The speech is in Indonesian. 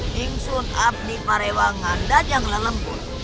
hingsun abdi parewangan dan yang melebut